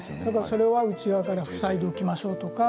それは内側から塞いでおきましょうとか。